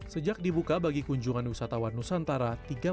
sejak dibuka bagi kunjungan wisatawan nusantara